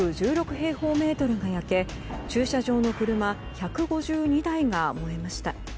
平方メートルが焼け駐車場の車１５２台が燃えました。